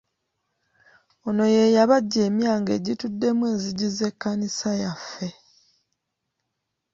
Ono ye yabajja emyango egituddemu enzigi z’ekkanisa yaffe.